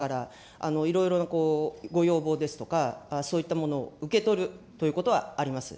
私は常日頃やっぱり、私たちも議員ですから、いろいろなご要望ですとか、そういったものを受け取るということはあります。